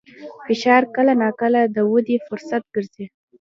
فشار کله ناکله د ودې فرصت ګرځي.